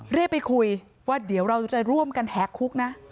เรียกไปคุยว่าเดี๋ยวเราจะร่วมกันแหกคุกนะ